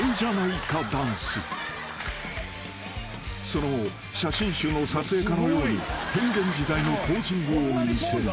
［その後写真集の撮影かのように変幻自在のポージングを見せる］